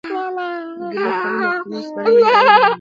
د لویو کانونو قانوني سپارل ملي عاید لوړوي.